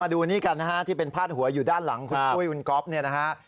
ดูนี่กันนะฮะที่เป็นพาดหัวอยู่ด้านหลังคุณปุ้ยคุณก๊อฟเนี่ยนะฮะ